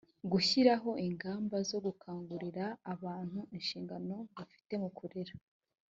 gushyiraho ingamba zo gukangurira abantu inshingano bafite mu kurera.